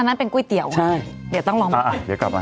อันนั้นเป็นก๋วยเตี๋ยวนะใช่เดี๋ยวต้องลองเดี๋ยวกลับมา